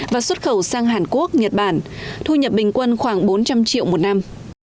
và xuất khẩu sang hàn quốc nhật bản thu nhập bình quân khoảng bốn trăm linh triệu một năm